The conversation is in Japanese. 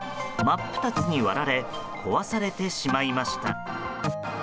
真っ二つに割られ壊されてしまいました。